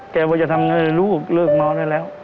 ว่าจะทำไงลูกเลิกเมาได้แล้ว